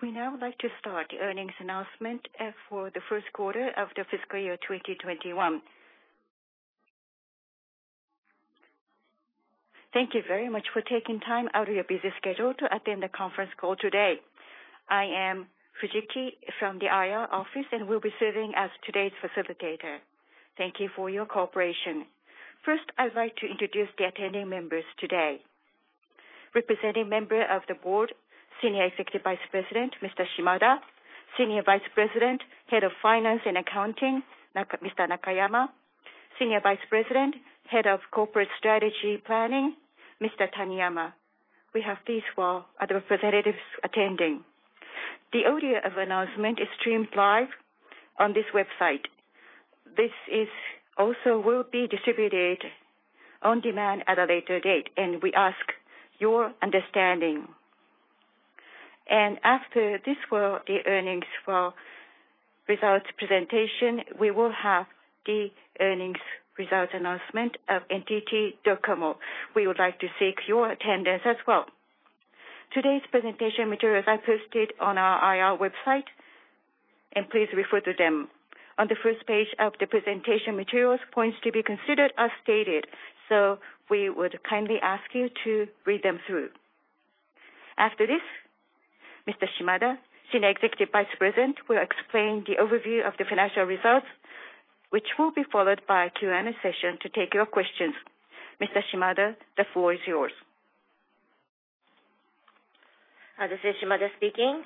We now would like to start the earnings announcement for the first quarter of the fiscal year 2021. Thank you very much for taking time out of your busy schedule to attend the conference call today. I am Fujiki from the IR office and will be serving as today's facilitator. Thank you for your cooperation. First, I'd like to introduce the attending members today. Representing member of the board, Senior Executive Vice President, Mr. Shimada. Senior Vice President, Head of Finance and Accounting, Mr. Nakayama. Senior Vice President, Head of Corporate Strategy Planning, Mr. Taniyama. We have these four other representatives attending. The audio of announcement is streamed live on this website. This also will be distributed on demand at a later date, and we ask for your understanding. After this, the earnings results presentation, we will have the earnings results announcement of NTT DOCOMO. We would like to seek your attendance as well. Today's presentation materials are posted on our IR website, and please refer to them. On the first page of the presentation materials, points to be considered are stated, so we would kindly ask you to read them through. After this, Mr. Shimada, Senior Executive Vice President, will explain the overview of the financial results, which will be followed by a Q&A session to take your questions. Mr. Shimada, the floor is yours. This is Shimada speaking.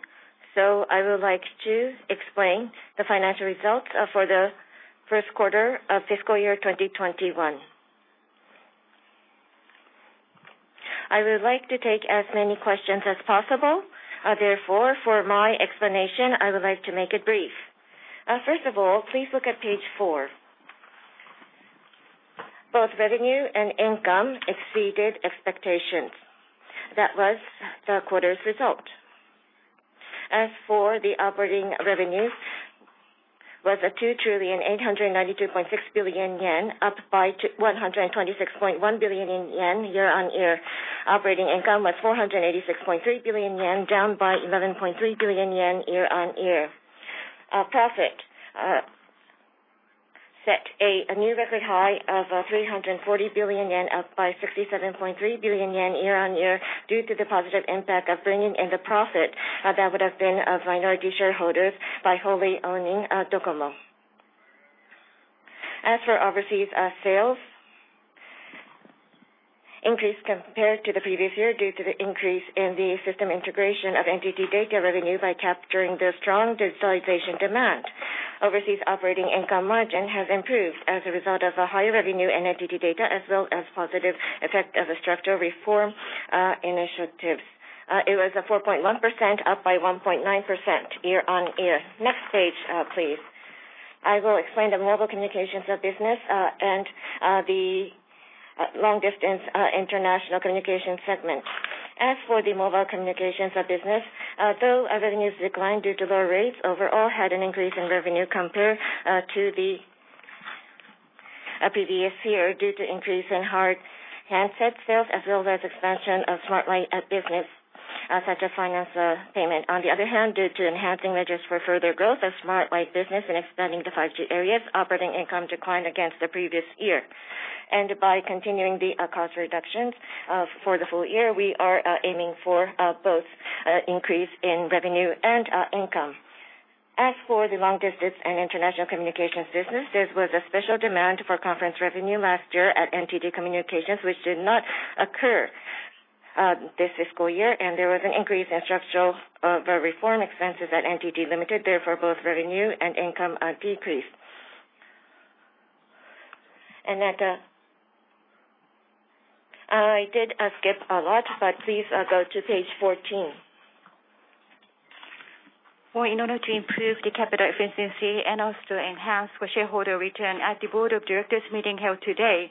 I would like to explain the financial results for the first quarter of fiscal year 2021. I would like to take as many questions as possible. For my explanation, I would like to make it brief. Please look at page 4. Both revenue and income exceeded expectations. That was the quarter's result. Operating revenues was at 2,892.6 billion yen, up by 126.1 billion yen year-on-year. Operating income was 486.3 billion yen, down by 11.3 billion yen year-on-year. Our profit set a new record high of 340 billion yen, up by 67.3 billion yen year-on-year due to the positive impact of bringing in the profit that would have been of minority shareholders by wholly owning DOCOMO. As for overseas sales, increase compared to the previous year due to the increase in the system integration of NTT DATA revenue by capturing the strong digitalization demand. Overseas operating income margin has improved as a result of a higher revenue in NTT DATA, as well as positive effect of the structural reform initiatives. It was at 4.1%, up by 1.9% year-on-year. Next page, please. I will explain the mobile communications business, and the long distance international communications segment. As for the mobile communications business, though revenues declined due to lower rates, overall had an increase in revenue compared to the previous year due to increase in handset sales, as well as expansion of Smart Life business, such as finance payment. On the other hand, due to enhancing measures for further growth of Smart Life business and expanding the 5G areas, operating income declined against the previous year. By continuing the cost reductions, for the full year, we are aiming for both increase in revenue and income. As for the long distance and international communications business, there was a special demand for conference revenue last year at NTT Communications, which did not occur this fiscal year, and there was an increase in structural reform expenses at NTT Limited, therefore, both revenue and income decreased. I did skip a lot, but please go to page 14. In order to improve the capital efficiency and also to enhance shareholder return, at the board of directors meeting held today,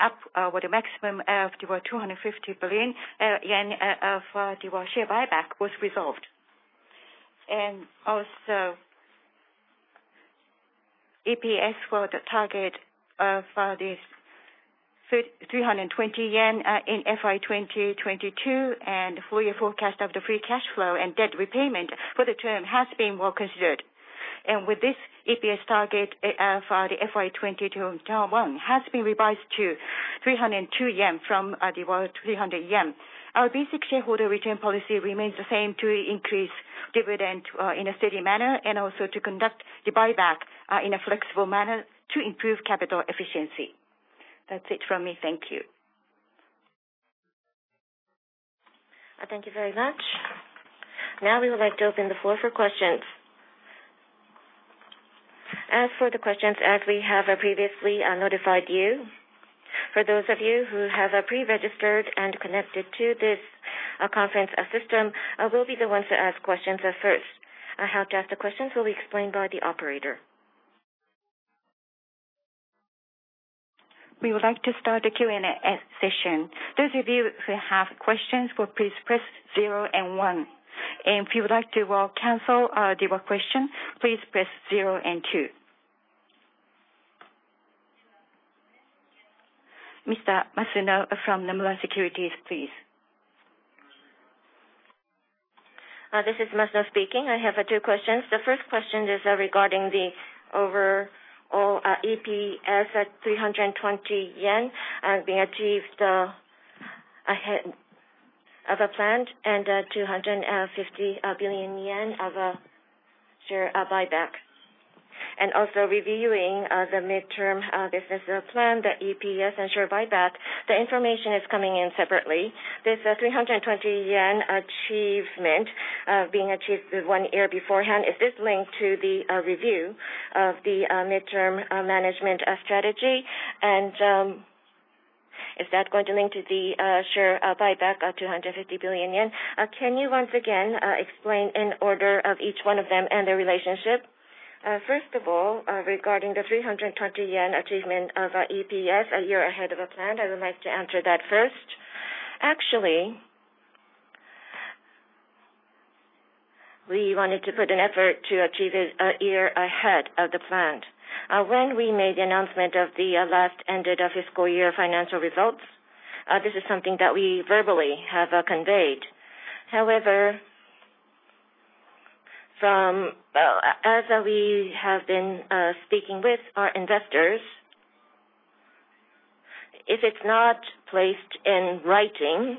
up with a maximum of 250 billion yen of the share buyback was resolved. Also, EPS for the target of 320 yen in FY 2022 and full year forecast of the free cash flow and debt repayment for the term has been well considered. With this, EPS target for the FY 2021 has been revised to 302 yen from 300 yen. Our basic shareholder return policy remains the same: to increase dividend in a steady manner, and also to conduct the buyback in a flexible manner to improve capital efficiency. That's it from me. Thank you. Thank you very much. Now we would like to open the floor for questions. As for the questions, as we have previously notified you, for those of you who have pre-registered and connected to this conference system, will be the ones to ask questions first. How to ask the questions will be explained by the operator. We would like to start the Q&A session. Those of you who have questions, please press zero and one. If you would like to cancel your question, please press zero and two. Mr. Masuno from Nomura Securities, please. This is Masuno speaking. I have two questions. The first question is regarding the overall EPS at 320 yen being achieved ahead of plan and 250 billion yen of a share buyback. Also reviewing the midterm business plan, the EPS and share buyback, the information is coming in separately. This 320 yen achievement being achieved one year beforehand, is this linked to the review of the midterm management strategy? Is that going to link to the share buyback of 250 billion yen? Can you once again, explain in order of each one of them and their relationship? First of all, regarding the 320 yen achievement of EPS a year ahead of plan, I would like to answer that first. Actually, we wanted to put in effort to achieve it a year ahead of the plan. When we made the announcement of the last ended fiscal year financial results, this is something that we verbally have conveyed. However, as we have been speaking with our investors, if it's not placed in writing,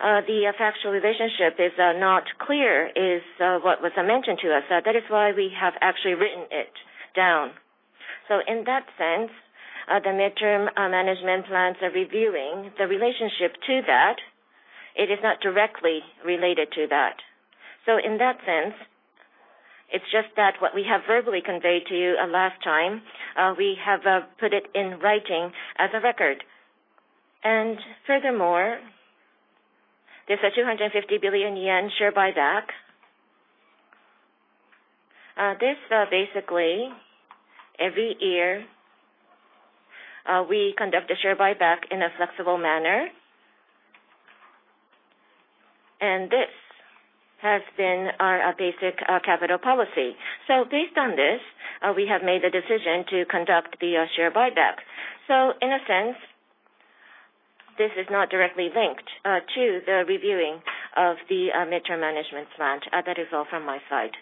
the factual relationship is not clear, is what was mentioned to us. That is why we have actually written it down. In that sense, the midterm management plans are reviewing the relationship to that. It is not directly related to that. In that sense, it's just that what we have verbally conveyed to you last time, we have put it in writing as a record. Furthermore, this JPY 250 billion share buyback. This basically, every year, we conduct a share buyback in a flexible manner. This has been our basic capital policy. Based on this, we have made the decision to conduct the share buyback. In a sense, this is not directly linked to the reviewing of the midterm management plan. That is all from my side.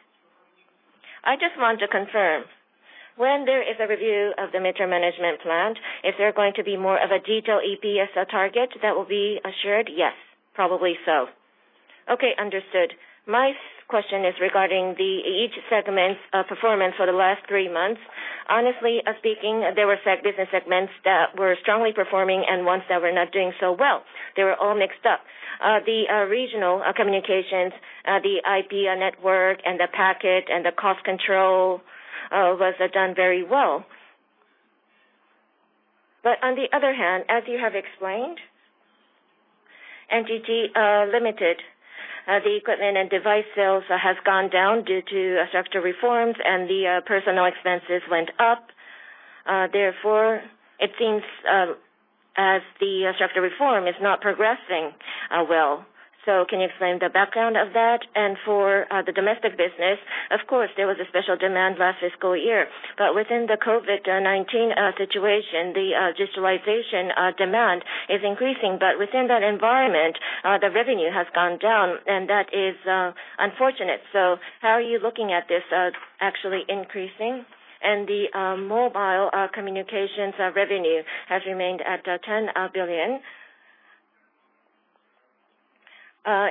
I just want to confirm. When there is a review of the midterm management plan, is there going to be more of a detailed EPS target that will be assured? Yes, probably so. Okay, understood. My question is regarding each segment's performance for the last three months. Honestly speaking, there were business segments that were strongly performing and ones that were not doing so well. They were all mixed up. The regional communications, the IP network, and the packet, and the cost control was done very well. On the other hand, as you have explained, NTT Limited, the equipment and device sales has gone down due to structural reforms and the personnel expenses went up. Therefore, it seems as the structural reform is not progressing well. Can you explain the background of that? For the domestic business, of course, there was a special demand last fiscal year. Within the COVID-19 situation, the digitalization demand is increasing. Within that environment, the revenue has gone down, and that is unfortunate. How are you looking at this actually increasing? The mobile communications revenue has remained at 10 billion.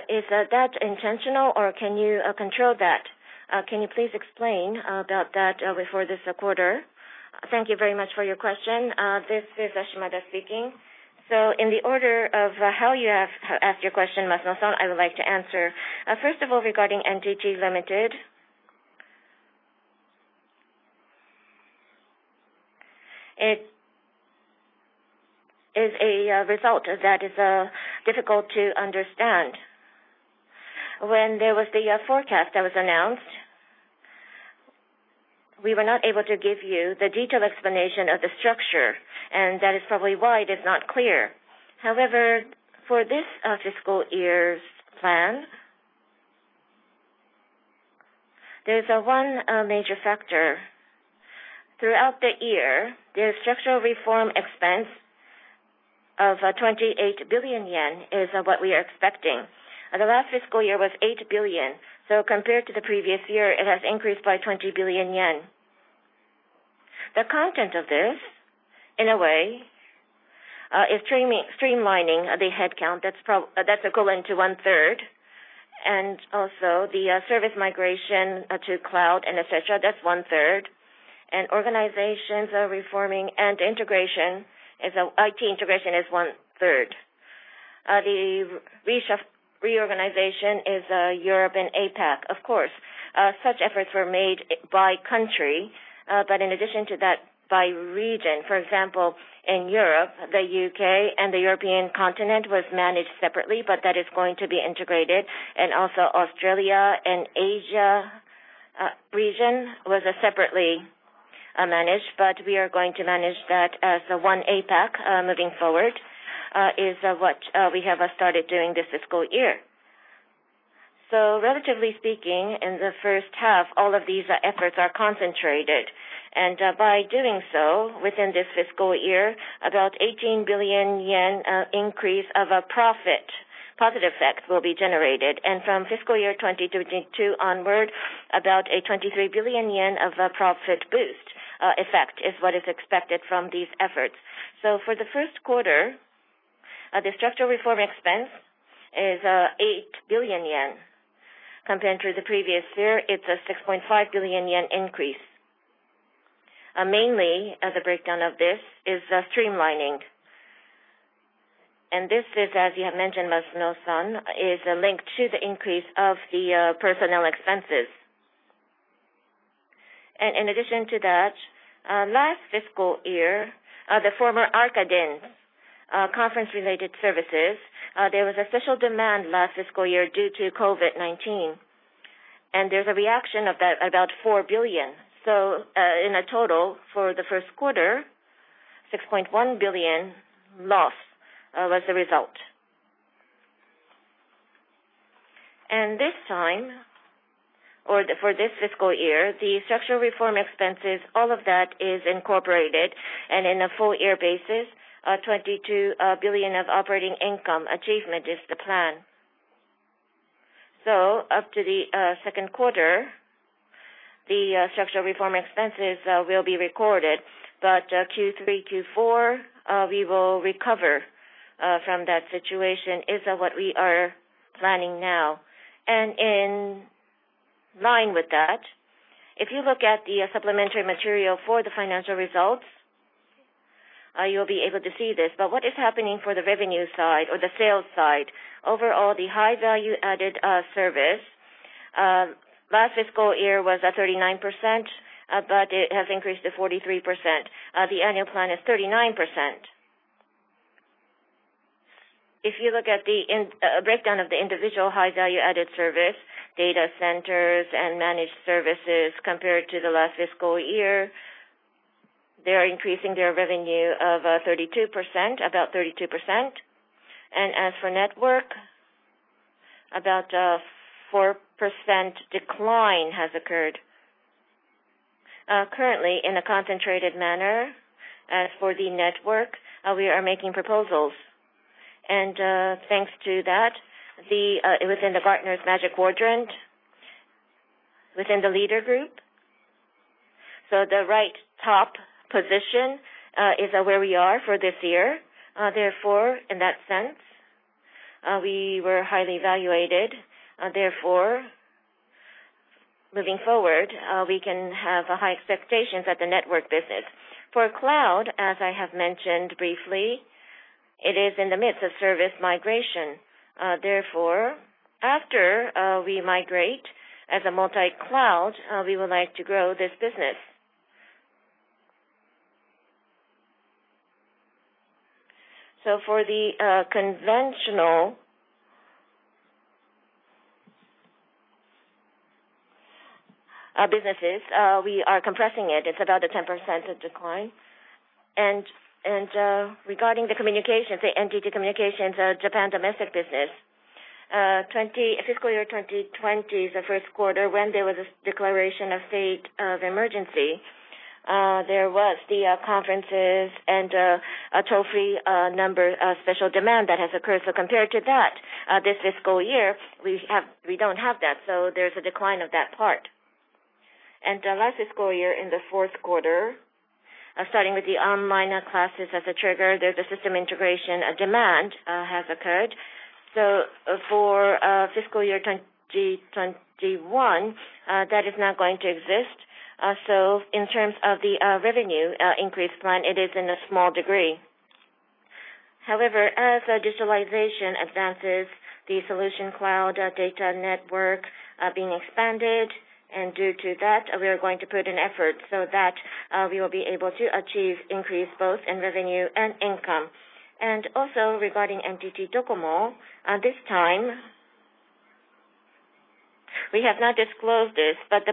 Is that intentional, or can you control that? Can you please explain about that before this quarter? Thank you very much for your question. This is Shimada speaking. In the order of how you have asked your question, Masuno-san, I would like to answer. First of all, regarding NTT Limited, it is a result that is difficult to understand. When there was the forecast that was announced, we were not able to give you the detailed explanation of the structure. That is probably why it is not clear. However, for this fiscal year's plan, there is one major factor. Throughout the year, the structural reform expense of 28 billion yen is what we are expecting. The last fiscal year was 8 billion. Compared to the previous year, it has increased by 20 billion yen. The content of this, in a way, is streamlining the headcount. That's equivalent to 1/3. Also the service migration to cloud and et cetera, that's 1/3. Organizations reforming and integration, IT integration is 1/3. The reorganization is Europe and APAC. Of course, such efforts were made by country, but in addition to that, by region. For example, in Europe, the U.K. and the European continent was managed separately. That is going to be integrated. Also Australia and Asia region was separately managed. We are going to manage that as one APAC moving forward, is what we have started doing this fiscal year. Relatively speaking, in the first half, all of these efforts are concentrated. By doing so, within this fiscal year, about 18 billion yen increase of a profit positive effect will be generated. From fiscal year 2022 onward, about a 23 billion yen of profit boost effect is what is expected from these efforts. For the first quarter, the structural reform expense is 8 billion yen. Compared to the previous year, it's a 6.5 billion yen increase. Mainly, as a breakdown of this, is streamlining. This is, as you have mentioned, Mr. Masuno, is linked to the increase of the personnel expenses. In addition to that, last fiscal year, the former Arkadin conference-related services, there was a special demand last fiscal year due to COVID-19, and there's a reaction of about 4 billion. In a total for the first quarter, 6.1 billion loss was the result. This time, or for this fiscal year, the structural reform expenses, all of that is incorporated. In a full year basis, 22 billion of operating income achievement is the plan. Up to the second quarter, the structural reform expenses will be recorded. Q3, Q4, we will recover from that situation, is what we are planning now. In line with that, if you look at the supplementary material for the financial results, you'll be able to see this. What is happening for the revenue side or the sales side, overall, the high-value added service last fiscal year was at 39%, but it has increased to 43%. The annual plan is 39%. If you look at the breakdown of the individual high-value added service, data centers, and managed services compared to the last fiscal year, they are increasing their revenue about 32%. As for network, about a 4% decline has occurred. Currently, in a concentrated manner, as for the network, we are making proposals. Thanks to that, it was in the Gartner's Magic Quadrant within the leader group. The right top position is where we are for this year. Therefore, in that sense, we were highly evaluated. Therefore, moving forward, we can have high expectations at the network business. For cloud, as I have mentioned briefly, it is in the midst of service migration. After we migrate as a multi-cloud, we would like to grow this business. For the conventional businesses, we are compressing it. It's about a 10% decline. Regarding the NTT Communications Japan domestic business, fiscal year 2020 is the first quarter when there was a declaration of state of emergency. There was the conferences and toll-free number special demand that has occurred. Compared to that, this fiscal year, we don't have that. There's a decline of that part. Last fiscal year, in the fourth quarter, starting with the online classes as a trigger, there's a system integration demand has occurred. For fiscal year 2021, that is not going to exist. In terms of the revenue increase plan, it is in a small degree. As digitalization advances, the solution cloud data network are being expanded, and due to that, we are going to put in effort so that we will be able to achieve increase both in revenue and income. Regarding NTT DOCOMO, this time, we have not disclosed this, but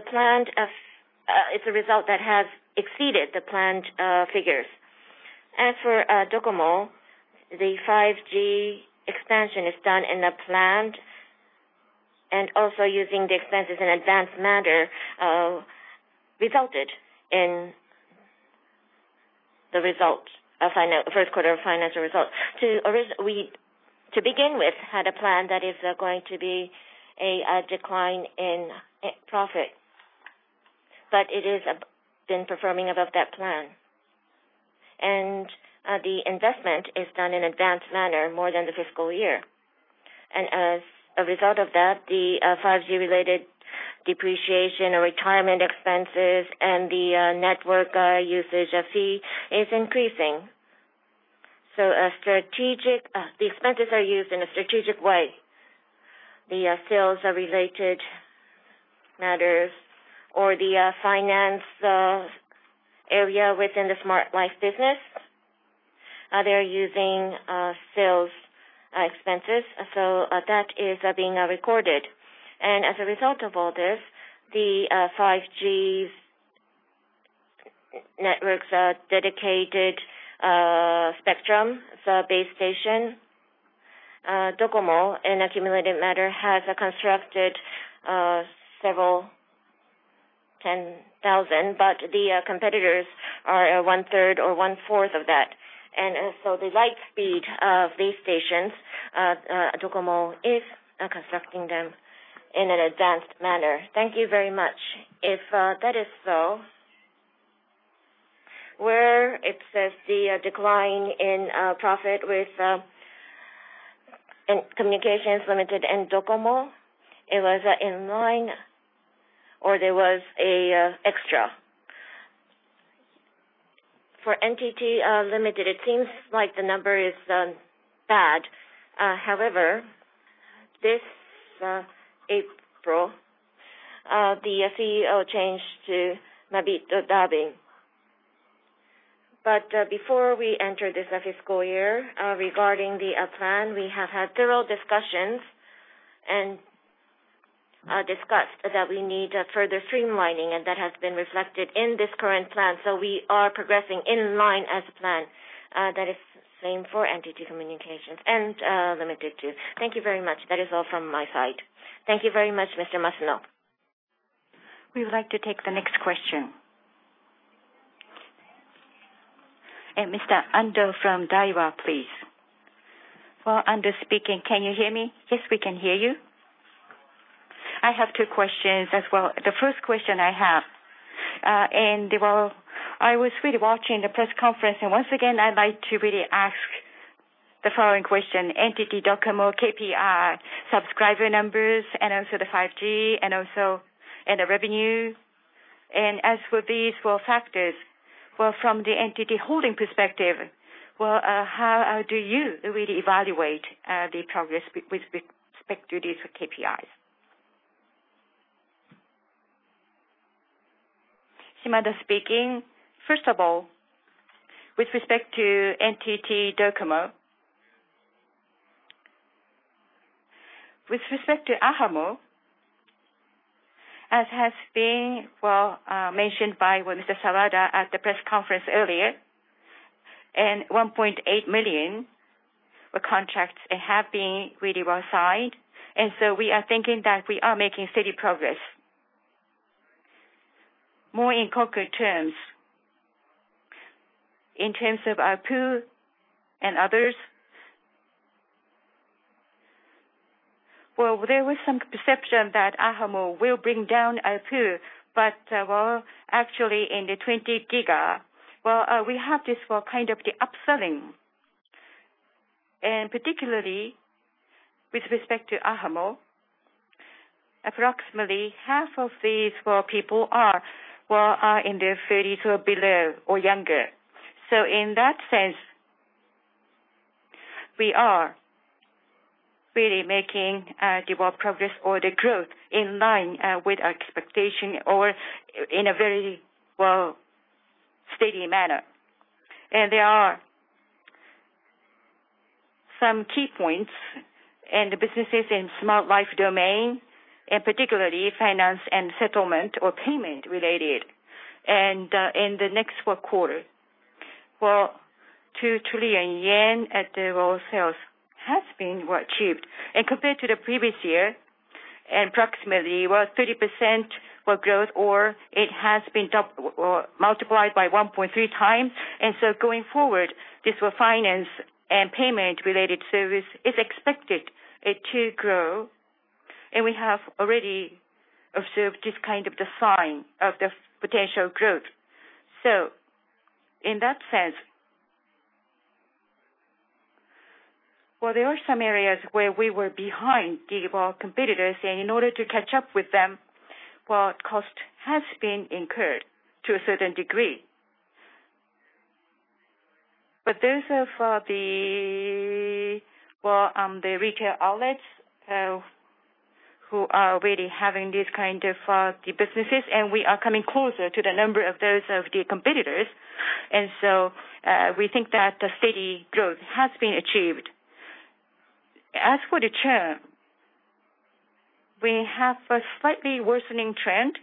it's a result that has exceeded the planned figures. DOCOMO, the 5G expansion is done and planned, and also using the expenses in advance manner resulted in the 1st quarter of financial results. It had a plan that is going to be a decline in profit, but it has been performing above that plan. The investment is done in advance manner more than the fiscal year. As a result of that, the 5G-related depreciation or retirement expenses and the network usage fee is increasing. The expenses are used in a strategic way. The sales are related matters or the finance area within the Smart Life business, they're using sales expenses. That is being recorded. As a result of all this, the 5G's Networks are dedicated spectrum. The base station. DOCOMO, in accumulated matter, has constructed several 10,000, the competitors are one-third or one-fourth of that. The light speed of base stations, DOCOMO is constructing them in an advanced manner. Thank you very much. If that is so, where it says the decline in profit with, and communications limited in DOCOMO, it was in line or there was a extra? For NTT Limited, it seems like the number is bad. However, this April, the CEO changed to Abhijit Dubey. Before we enter this fiscal year, regarding the plan, we have had thorough discussions and discussed that we need further streamlining, and that has been reflected in this current plan. We are progressing in line as planned. That is same for NTT Communications and Limited, too. Thank you very much. That is all from my side. Thank you very much, Mr. Masuno. We would like to take the next question. Mr. Ando from Daiwa, please. Well, Ando speaking. Can you hear me? Yes, we can hear you. I have two questions as well. The first question I have, well, I was really watching the press conference, once again, I'd like to really ask the following question. NTT DOCOMO KPI subscriber numbers and also the 5G and the revenue. As for these four factors, from the NTT holding perspective, how do you really evaluate the progress with respect to these KPIs? Shimada speaking. First of all, with respect to NTT DOCOMO, with respect to ahamo, as has been mentioned by Mr. Sawada at the press conference earlier, 1.8 million contracts have been really well signed. So we are thinking that we are making steady progress. More in concrete terms, in terms of ARPU and others, well, there was some perception that ahamo will bring down ARPU, but actually in the 20 giga, we have this for kind of the upselling. Particularly with respect to ahamo, approximately half of these people are in their 30s or below or younger. In that sense, we are really making a developed progress or the growth in line with our expectation or in a very steady manner. There are some key points in the businesses in Smart Life domain, and particularly finance and settlement or payment related. In the next quarter, well, 2 trillion yen at the wholesale has been well achieved. Compared to the previous year, approximately 30% growth or it has been doubled or multiplied by 1.3 times. Going forward, this finance and payment related service is expected to grow, and we have already observed this kind of the sign of the potential growth. In that sense, there are some areas where we were behind the competitors, and in order to catch up with them, cost has been incurred to a certain degree. Those are for the retail outlets who are really having these kind of the businesses, and we are coming closer to the number of those of the competitors. We think that the steady growth has been achieved. As for the churn, we have a slightly worsening trend,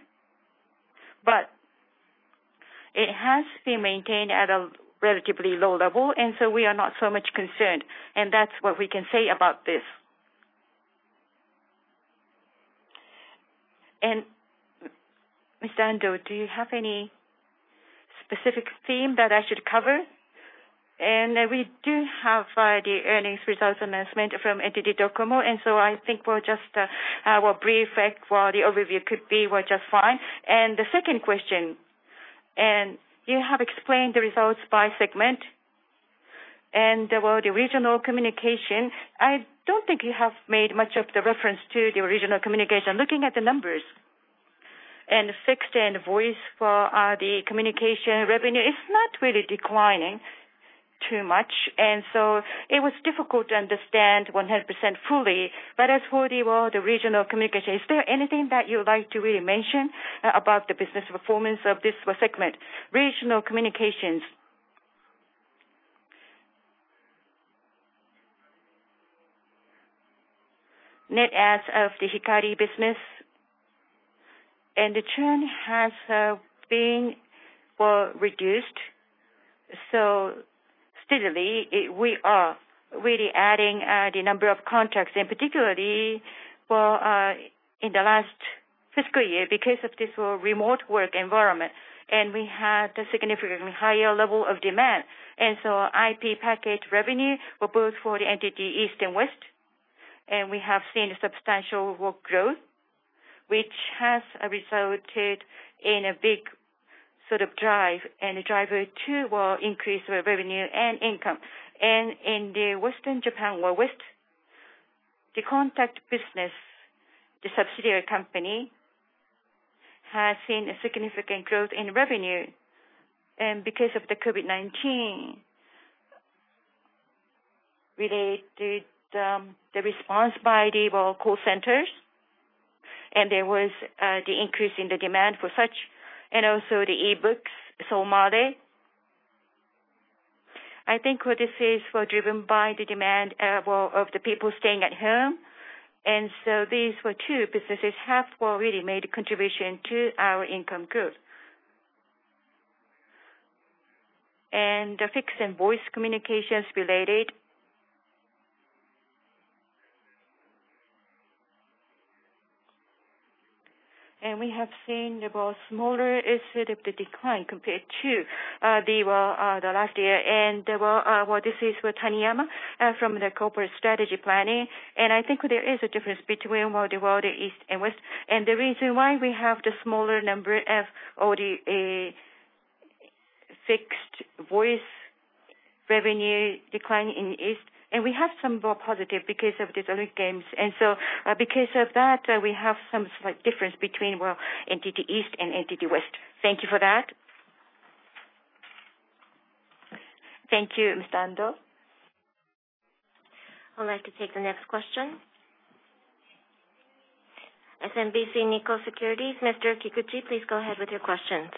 but it has been maintained at a relatively low level, and so we are not so much concerned. That's what we can say about this. Mr. Ando, do you have any specific theme that I should cover? We do have the earnings results announcement from NTT DOCOMO, I think we'll just have a brief overview could be just fine. The second question, you have explained the results by segment and the regional communication. I don't think you have made much of the reference to the regional communication. Looking at the numbers and fixed and voice for the communication revenue, it's not really declining too much. It was difficult to understand 100% fully. As for the regional communication, is there anything that you would like to really mention about the business performance of this segment? Regional communications. Net adds of the Hikari business. The trend has been reduced steadily. We are really adding the number of contracts, particularly, in the last fiscal year, because of this remote work environment, we had a significantly higher level of demand. IP package revenue for both NTT East and West, we have seen substantial growth, which has resulted in a driver to increase our revenue and income. In Western Japan or West, the contract business, the subsidiary company, has seen a significant growth in revenue. Because of the COVID-19, related the response by the call centers, there was the increase in the demand for such and also the e-books, Solmare. I think what this is driven by the demand of the people staying at home. These two businesses have really made a contribution to our income growth. The fixed and voice communications related, we have seen a smaller instead of the decline compared to the last year, and this is with Taniyama from the Corporate Strategy Planning. I think there is a difference between NTT East and West, and the reason why we have the smaller number of fixed-voice revenue decline in the East. We have some positive because of the Olympic Games. Because of that, we have some slight difference between NTT East and NTT West. Thank you for that. Thank you, Mr. Ando. I'd like to take the next question. SMBC Nikko Securities, Mr. Satoru Kikuchi, please go ahead with your questions.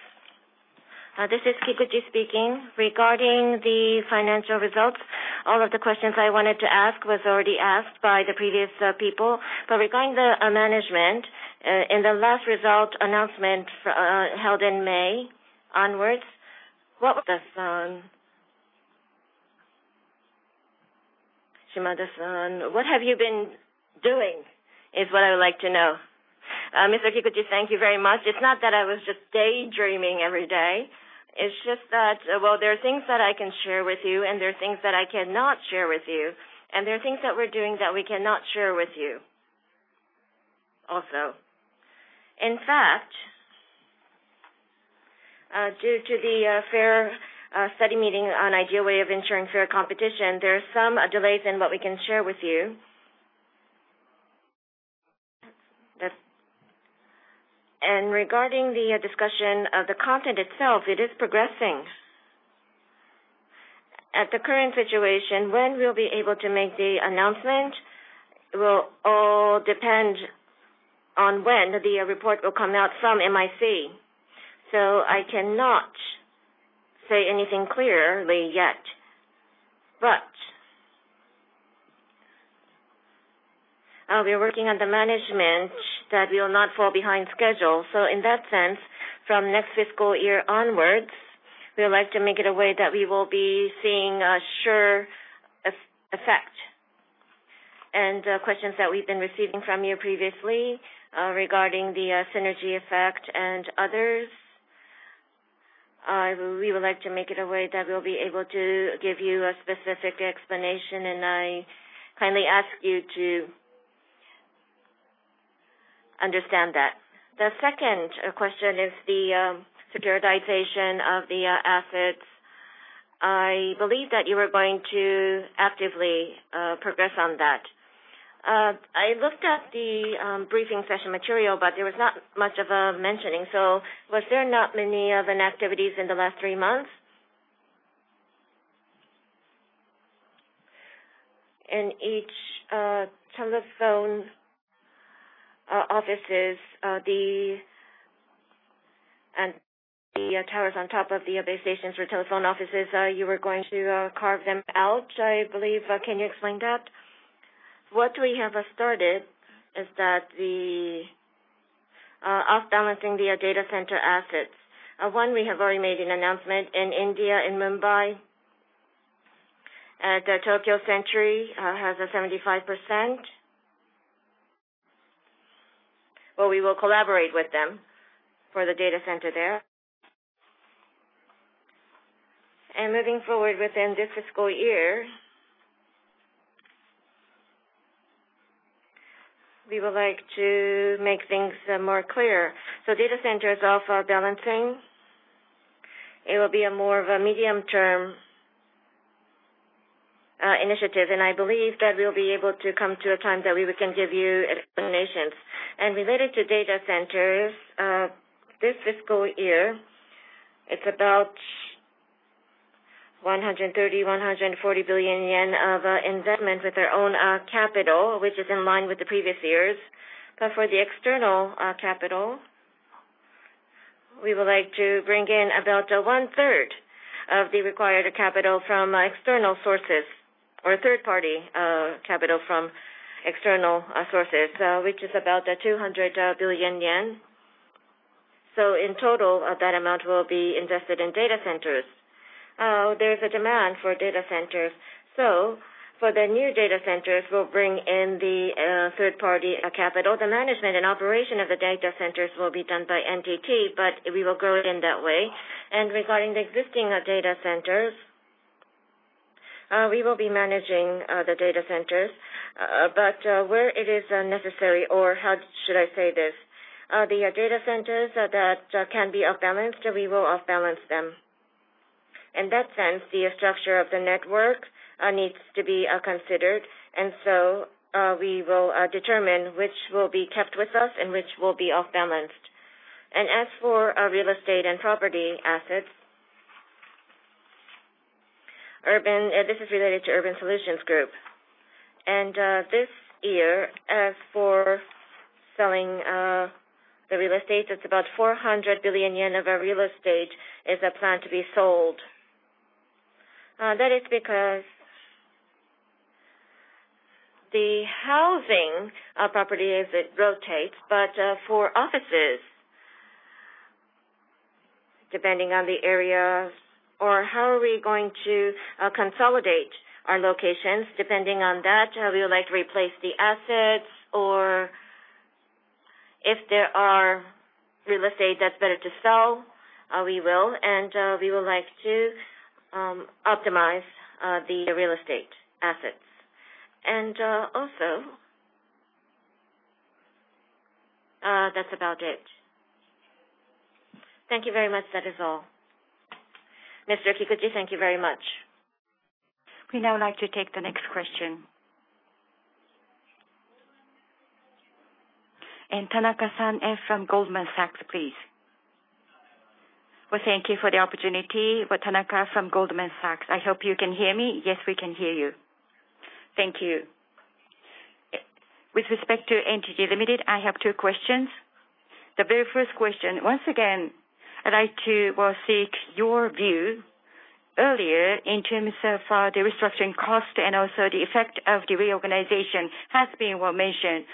This is Satoru Kikuchi speaking. Regarding the financial results, all of the questions I wanted to ask was already asked by the previous people. Regarding the management, in the last result announcement held in May onwards, Shimada, what have you been doing, is what I would like to know? Mr. Kikuchi, thank you very much. It's not that I was just daydreaming every day. It's just that there are things that I can share with you, and there are things that I cannot share with you, and there are things that we're doing that we cannot share with you also. In fact, due to the fair study meeting on ideal way of ensuring fair competition, there are some delays in what we can share with you. Regarding the discussion of the content itself, it is progressing. At the current situation, when we'll be able to make the announcement will all depend on when the report will come out from MIC. I cannot say anything clearly yet. We are working on the management that we will not fall behind schedule. In that sense, from next fiscal year onwards, we would like to make it a way that we will be seeing a sure effect. Questions that we've been receiving from you previously regarding the synergy effect and others, we would like to make it a way that we'll be able to give you a specific explanation, and I kindly ask you to understand that. The second question is the securitization of the assets. I believe that you were going to actively progress on that. I looked at the briefing session material, there was not much of a mentioning. Was there not many of an activities in the last three months? In each telephone offices, and the towers on top of the base stations for telephone offices, you were going to carve them out, I believe. Can you explain that? What we have started is that the off-balancing the data center assets. One, we have already made an announcement in India, in Mumbai, Tokyo Century has a 75%, where we will collaborate with them for the data center there. Moving forward within this fiscal year, we would like to make things more clear. Data centers off balancing, it will be a more of a medium-term initiative, and I believe that we'll be able to come to a time that we can give you explanations. Related to data centers, this fiscal year, it's about 130 billion-140 billion yen of investment with our own capital, which is in line with the previous years. For the external capital We would like to bring in about one-third of the required capital from external sources, or third-party capital from external sources, which is about 200 billion yen. In total, that amount will be invested in data centers. There's a demand for data centers. For the new data centers, we'll bring in the third-party capital. The management and operation of the data centers will be done by NTT, but we will go in that way. Regarding the existing data centers, we will be managing the data centers. Where it is necessary, or how should I say this? The data centers that can be off-balanced, we will off-balance them. In that sense, the structure of the network needs to be considered. We will determine which will be kept with us and which will be off-balanced. As for our real estate and property assets, this is related to Urban Solutions Group. This year, as for selling the real estate, it's about 400 billion yen of our real estate is planned to be sold. That is because the housing property rotates, but for offices, depending on the area or how are we going to consolidate our locations, depending on that, we would like to replace the assets, or if there are real estate that's better to sell, we will. We would like to optimize the real estate assets. Also, that's about it. Thank you very much. That is all. Mr. Kikuchi, thank you very much. We now like to take the next question. Tanaka-san from Goldman Sachs, please. Thank you for the opportunity. Tanaka from Goldman Sachs. I hope you can hear me. Yes, we can hear you. Thank you. With respect to NTT Limited, I have two questions. The very first question, once again, I'd like to seek your view. Earlier, in terms of the restructuring cost and also the effect of the reorganization has been well-mentioned,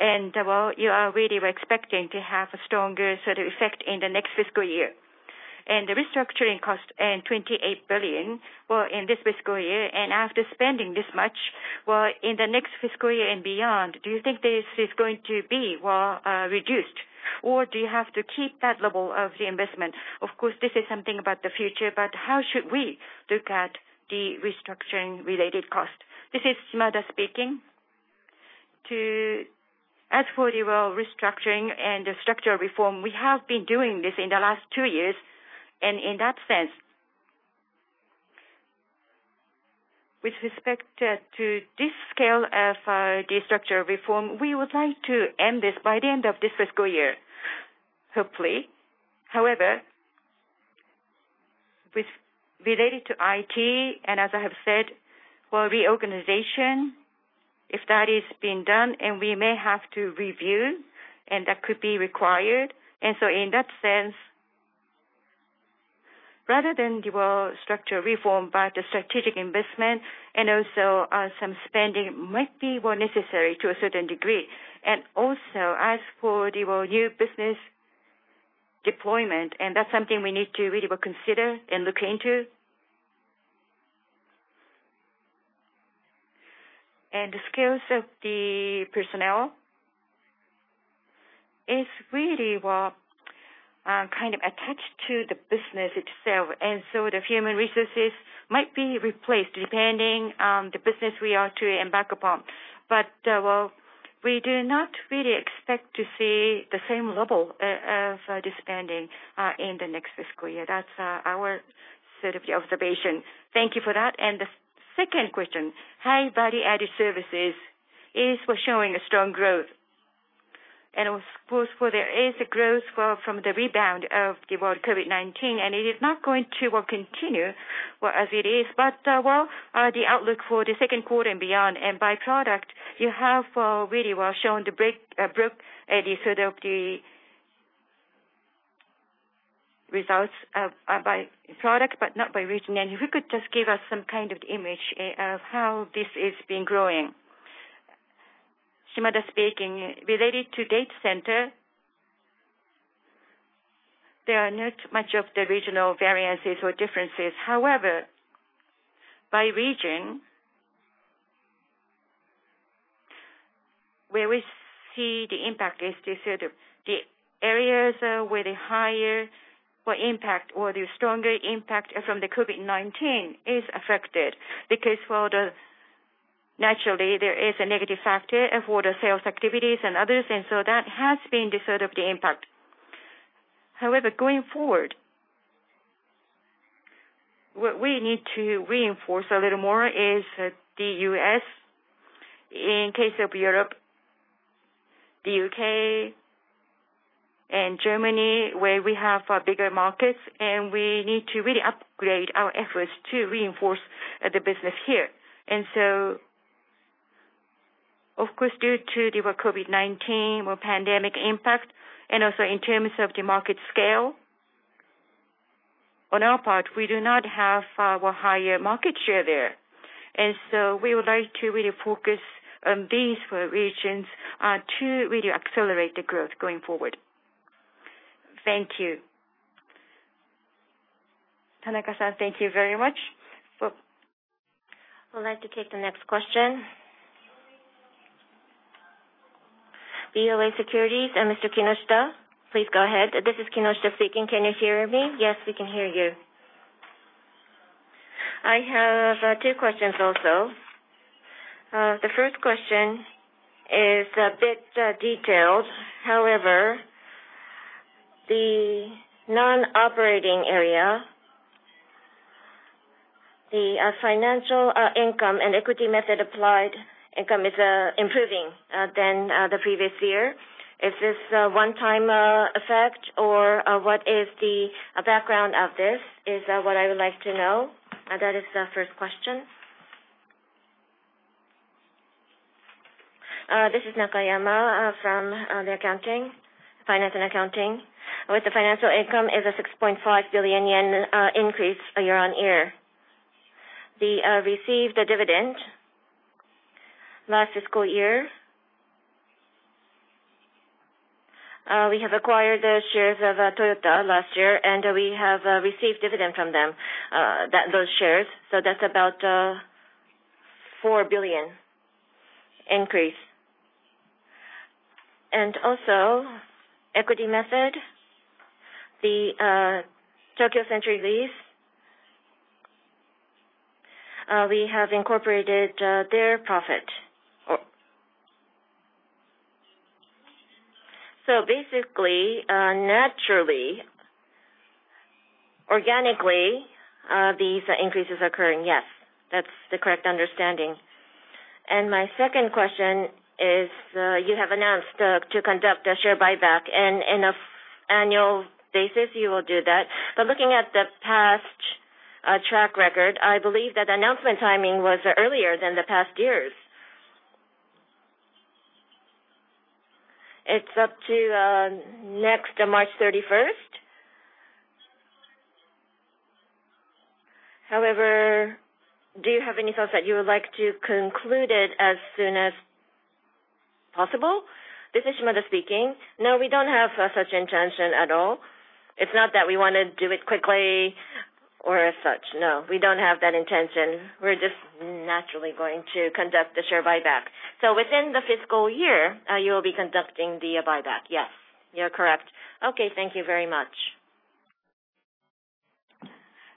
and you are really expecting to have a stronger effect in the next fiscal year. The restructuring cost, 28 billion in this fiscal year, and after spending this much, in the next fiscal year and beyond, do you think this is going to be reduced, or do you have to keep that level of the investment? Of course, this is something about the future, but how should we look at the restructuring-related cost? This is Shimada speaking. As for the restructuring and the structural reform, we have been doing this in the last two years. In that sense, with respect to this scale of the structural reform, we would like to end this by the end of this fiscal year, hopefully. However, related to IT, as I have said, reorganization, if that is being done, we may have to review, that could be required. In that sense, rather than structural reform, strategic investment and some spending might be necessary to a certain degree. As for the new business deployment, that's something we need to really consider and look into. The skills of the personnel is really attached to the business itself. The human resources might be replaced depending on the business we are to embark upon. We do not really expect to see the same level of the spending in the next fiscal year. That's our observation. Thank you for that. The second question, high value-added services is showing a strong growth. Of course, there is a growth from the rebound of the COVID-19, and it is not going to continue as it is. The outlook for the second quarter and beyond, and by product, you have really shown the break even of the results by product but not by region. If you could just give us some kind of image of how this has been growing. Shimada speaking. Related to data center, there are not much of the regional variances or differences. By region, where we see the impact is the areas where the higher impact or the stronger impact from the COVID-19 is affected, because naturally, there is a negative factor for the sales activities and others, and so that has been the impact. Going forward, what we need to reinforce a little more is the U.S. In case of Europe, the U.K., and Germany, where we have bigger markets, and we need to really upgrade our efforts to reinforce the business here. Of course, due to the COVID-19 pandemic impact, and also in terms of the market scale, on our part, we do not have a higher market share there. We would like to really focus on these regions to really accelerate the growth going forward. Thank you. Tanaka-san, thank you very much. We'll like to take the next question. BofA Securities and Mr. Kinoshita, please go ahead. This is Kinoshita speaking. Can you hear me? Yes, we can hear you. I have two questions also. The first question is a bit detailed, however, the non-operating area, the financial income and equity method applied income is improving than the previous year. Is this a one-time effect or what is the background of this, is what I would like to know. That is the first question. This is Nakayama from finance and accounting. With the financial income is a 6.5 billion yen increase year-on-year. We received a dividend last fiscal year. We have acquired the shares of Toyota last year, and we have received dividend from them, those shares. That's about a 4 billion increase. Also, equity method, the Tokyo Century Lease, we have incorporated their profit. Basically, naturally, organically, these increases occurring, yes. That's the correct understanding. My second question is, you have announced to conduct a share buyback, and in annual basis, you will do that. Looking at the past track record, I believe that announcement timing was earlier than the past years. It's up to next March 31st. Do you have any thoughts that you would like to conclude it as soon as possible? This is Shimada speaking. No, we don't have such intention at all. It's not that we want to do it quickly or as such. No, we don't have that intention. We're just naturally going to conduct the share buyback. Within the fiscal year, you will be conducting the buyback? Yes. You're correct. Okay, thank you very much.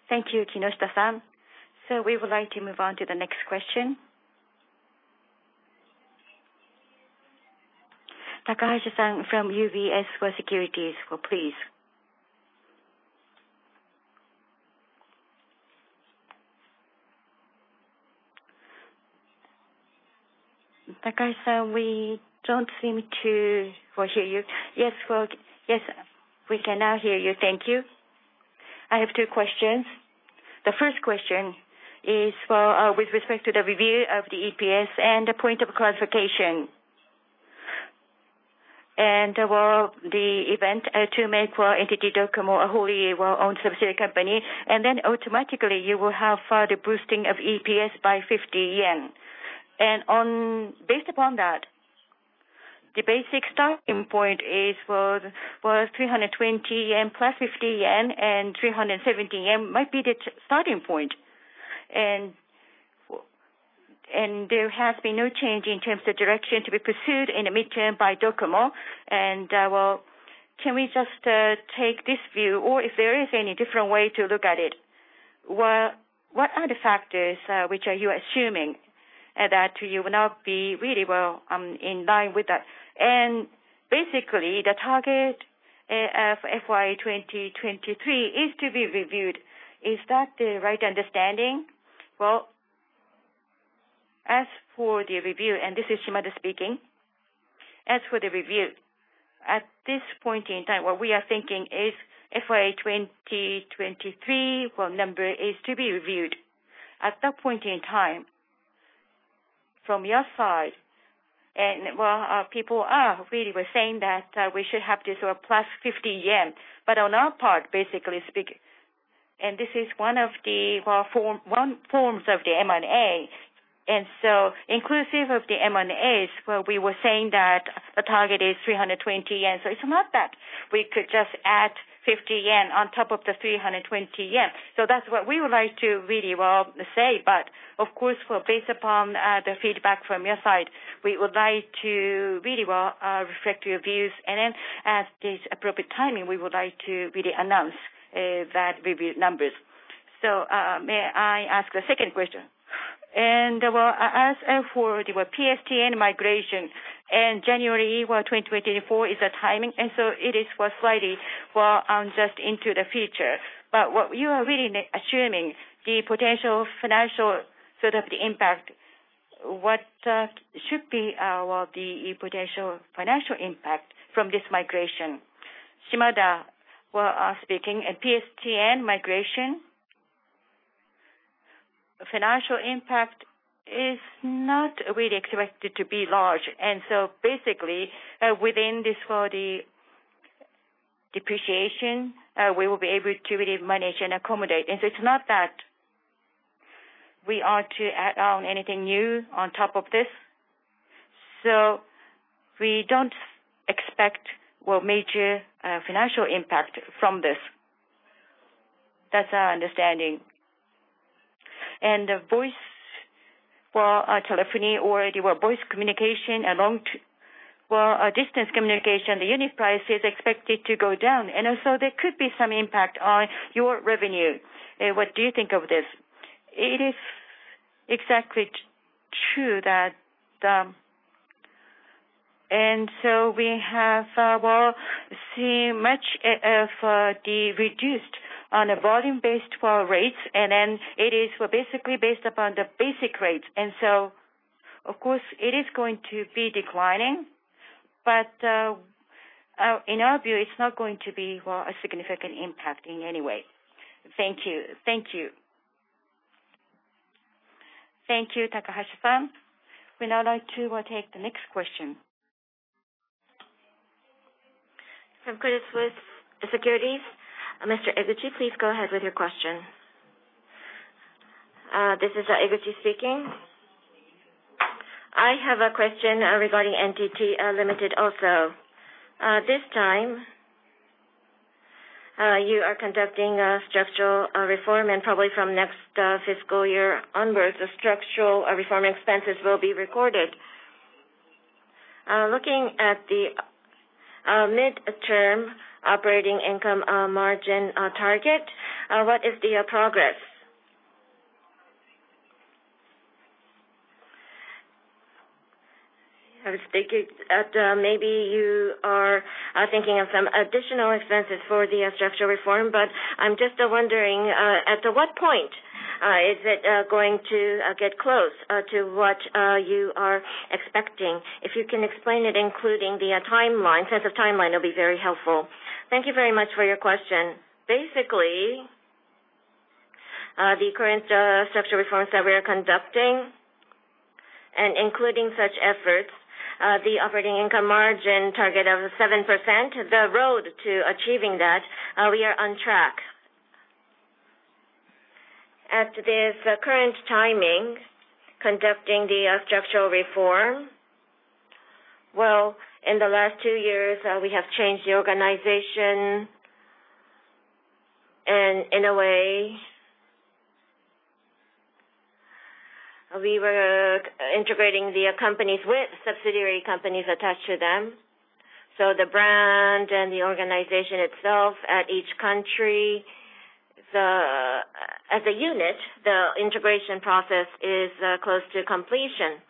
Thank you, Kinoshita-san. We would like to move on to the next question. Takahashi-san from UBS Securities, please. Takahashi-san, we don't seem to hear you. Yes, we can now hear you. Thank you. I have two questions. The first question is with respect to the review of the EPS and the point of clarification. The event to make NTT DOCOMO a wholly owned subsidiary company, then automatically you will have the boosting of EPS by 50 yen. Based upon that, the basic starting point is 320 yen plus 50 yen and 370 yen might be the starting point. There has been no change in terms of direction to be pursued in the midterm by DOCOMO. Can we just take this view, or if there is any different way to look at it, what are the factors which are you assuming that you will now be really well in line with that? Basically, the target of FY 2023 is to be reviewed. Is that the right understanding? Well, as for the review, this is Shimada speaking. As for the review, at this point in time, what we are thinking is FY 2023 number is to be reviewed. At that point in time, from your side, people are really saying that we should have this plus 50 yen. On our part, basically speaking, this is one of the forms of the M&A. Inclusive of the M&As, we were saying that the target is 320 yen. It's not that we could just add 50 yen on top of the 320 yen. That's what we would like to really say, but of course, based upon the feedback from your side, we would like to really reflect your views and then at the appropriate timing, we would like to really announce that reviewed numbers. May I ask the second question? As for the PSTN migration in January 2024 is the timing, it is slightly just into the future. What you are really assuming the potential financial impact, what should be the potential financial impact from this migration? PSTN migration. The financial impact is not really expected to be large. Basically, within this 40 depreciation, we will be able to really manage and accommodate. It's not that we are to add on anything new on top of this. We don't expect major financial impact from this. That's our understanding. The voice telephony or the voice communication and long distance communication, the unit price is expected to go down. What do you think of this? It is exactly true. We have seen much of the reduced on a volume-based rates. It is basically based upon the basic rates. Of course, it is going to be declining, but in our view, it's not going to be a significant impact in any way. Thank you. Thank you. Thank you, Takahashi-san. We now like to take the next question. From Credit Suisse Securities. Mr. Eguchi, please go ahead with your question. This is Eguchi speaking. I have a question regarding NTT Limited also. This time, you are conducting a structural reform. Probably from next fiscal year onwards, the structural reform expenses will be recorded. Looking at the mid-term operating income margin target, what is the progress? I was thinking that maybe you are thinking of some additional expenses for the structural reform, but I'm just wondering at what point is it going to get close to what you are expecting? If you can explain it including the timeline, sense of timeline, it'll be very helpful. Thank you very much for your question. The current structural reforms that we are conducting and including such efforts, the operating income margin target of 7%, the road to achieving that, we are on track. As to this current timing, conducting the structural reform, in the last 2 years, we have changed the organization. In a way, we were integrating the companies with subsidiary companies attached to them. The brand and the organization itself at each country, as a unit, the integration process is close to completion.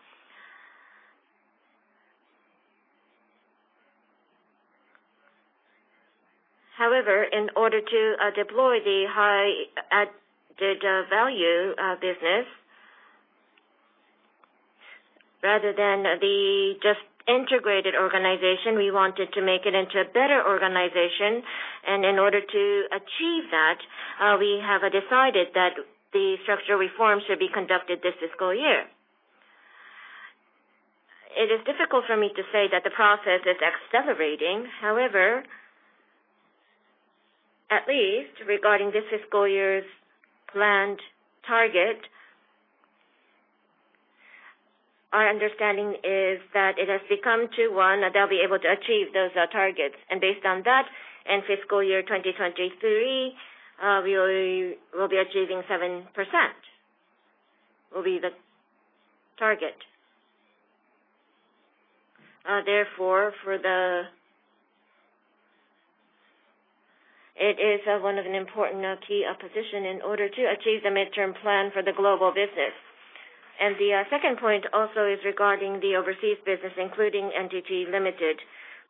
In order to deploy the high added value business, rather than the just integrated organization, we wanted to make it into a better organization. In order to achieve that, we have decided that the structural reform should be conducted this fiscal year. It is difficult for me to say that the process is accelerating. At least regarding this fiscal year's planned target, our understanding is that it has become to one that they'll be able to achieve those targets. Based on that, in fiscal year 2023, we will be achieving 7%, will be the target. It is one of an important key position in order to achieve the midterm plan for the global business. The second point also is regarding the overseas business, including NTT Limited.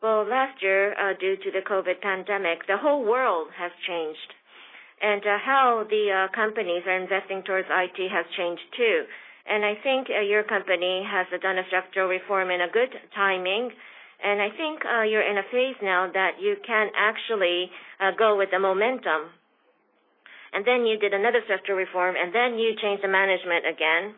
Well, last year, due to the COVID pandemic, the whole world has changed. How the companies are investing towards IT has changed, too. I think your company has done a structural reform in a good timing. I think you're in a phase now that you can actually go with the momentum. You did another structural reform, and then you changed the management again.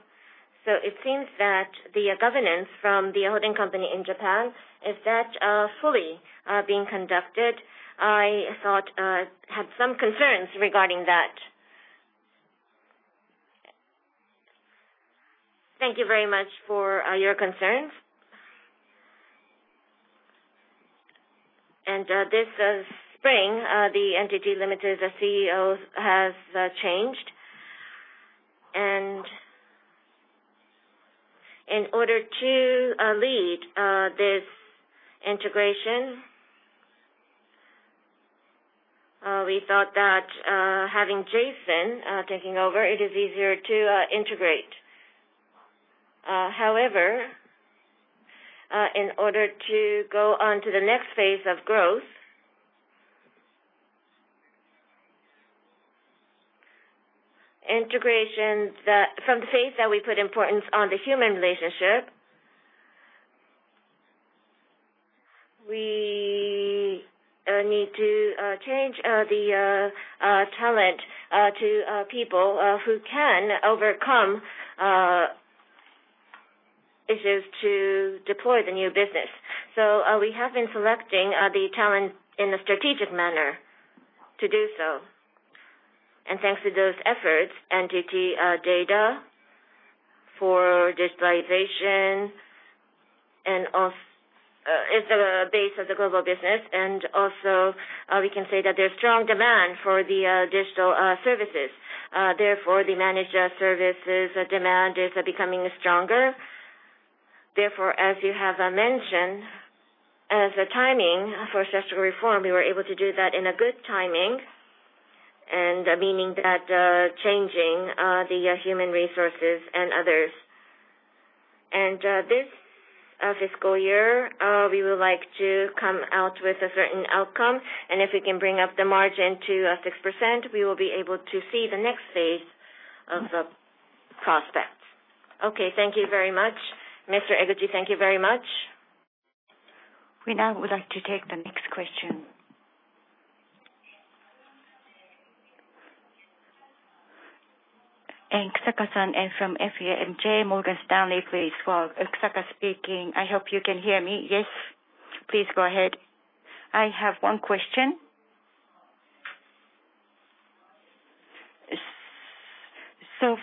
It seems that the governance from the holding company in Japan, is that fully being conducted? I had some concerns regarding that. Thank you very much for your concerns. This spring, the NTT Limited CEO has changed. In order to lead this integration, we thought that having Jason taking over, it is easier to integrate. However, in order to go on to the next phase of growth, from the phase that we put importance on the human relationship. We need to change the talent to people who can overcome issues to deploy the new business. We have been selecting the talent in a strategic manner to do so. Thanks to those efforts, NTT DATA for digitalization is the base of the global business. Also, we can say that there's strong demand for the digital services. The managed services demand is becoming stronger. As you have mentioned, as a timing for structural reform, we were able to do that in a good timing, and meaning that changing the human resources and others. This fiscal year, we would like to come out with a certain outcome, and if we can bring up the margin to 6%, we will be able to see the next phase of the prospect. Okay, thank you very much. Mr. Eguchi, thank you very much. We now would like to take the next question. Tsusaka-san from FIA and J. Morgan Stanley, please. Tsusaka speaking. I hope you can hear me. Yes, please go ahead. I have one question.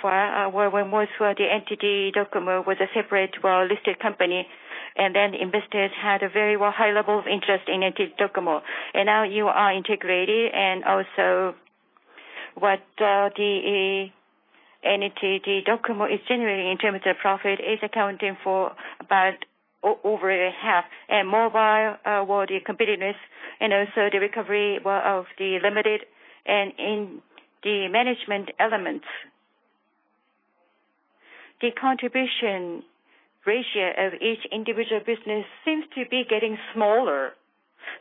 Far, when most of the NTT DOCOMO was a separate listed company, and then investors had a very high level of interest in NTT DOCOMO. Now you are integrated and also what the NTT DOCOMO is generating in terms of profit is accounting for about over a half. Mobile, the competitiveness, and also the recovery of the limited and in the management elements. The contribution ratio of each individual business seems to be getting smaller.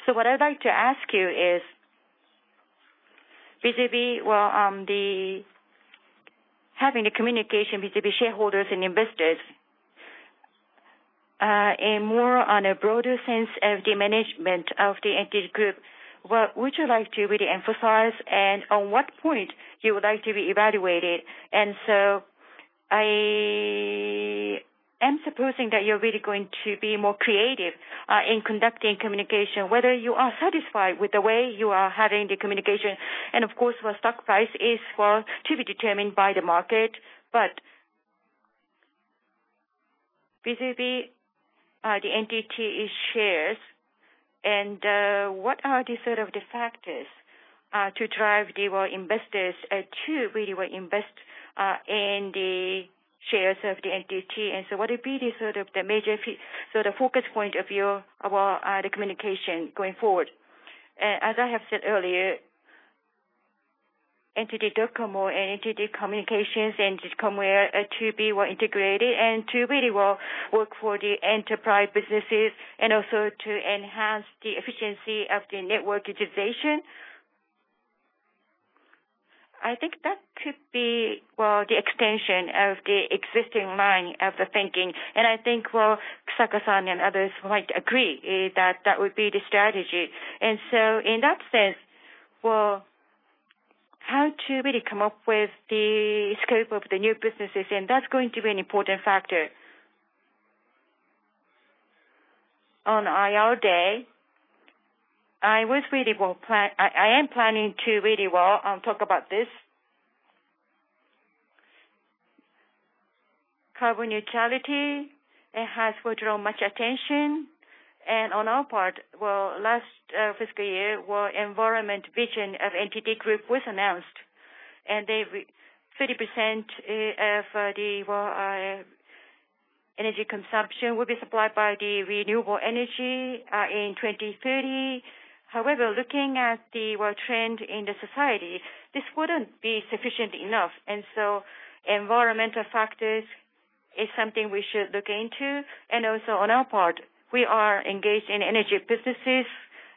What I'd like to ask you is, vis-a-vis having a communication vis-a-vis shareholders and investors, and more on a broader sense of the management of the NTT Group, what would you like to really emphasize, and on what point you would like to be evaluated? I am supposing that you're really going to be more creative in conducting communication, whether you are satisfied with the way you are having the communication. Of course, the stock price is to be determined by the market. Vis-a-vis the NTT shares and what are the sort of the factors to drive the investors to really invest in the shares of the NTT? What would be the sort of the major, the focus point of view of the communication going forward? As I have said earlier, NTT DOCOMO and NTT Communications and DOCOMO, to be more integrated and to really work for the enterprise businesses and also to enhance the efficiency of the network digitization. I think that could be the extension of the existing line of the thinking. I think Tsusaka-san and others might agree that that would be the strategy. In that sense, how to really come up with the scope of the new businesses, and that's going to be an important factor. On IR day, I am planning to really talk about this. Carbon neutrality has drawn much attention, and on our part, last fiscal year, Environment Vision of NTT Group was announced, and 30% of the energy consumption will be supplied by the renewable energy in 2030. However, looking at the trend in the society, this wouldn't be sufficient enough. Environmental factors is something we should look into. On our part, we are engaged in energy businesses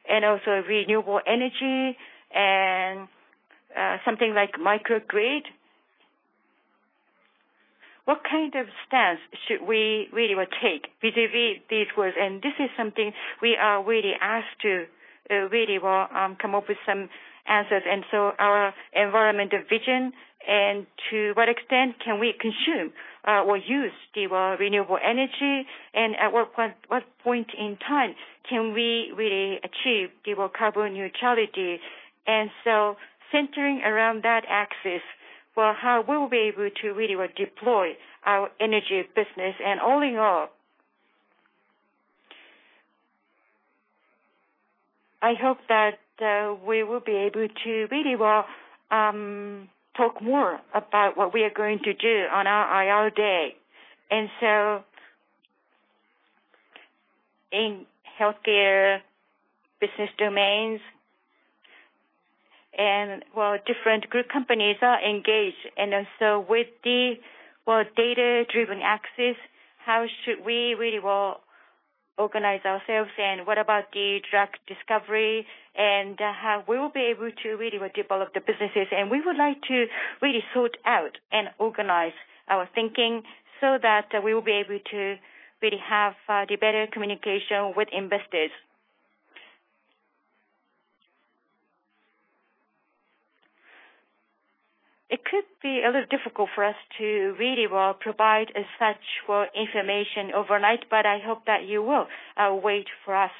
and also renewable energy and something like microgrid. What kind of stance should we really take vis-a-vis these? This is something we are really asked to really come up with some answers. Our environmental vision and to what extent can we consume or use the renewable energy, and at what point in time can we really achieve the carbon neutrality? Centering around that axis, how we'll be able to really deploy our energy business. All in all, I hope that we will be able to really talk more about what we are going to do on our IR day. In healthcare business domains and different group companies are engaged. With the data-driven axis, how should we really organize ourselves and what about the drug discovery and how we'll be able to really develop the businesses. We would like to really sort out and organize our thinking so that we will be able to really have the better communication with investors. It could be a little difficult for us to really provide such information overnight, but I hope that you will wait for us